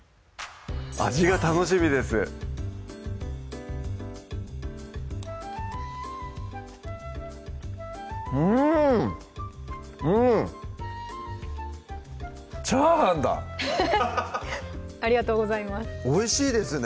味が楽しみですうんうんチャーハンだありがとうございますおいしいですね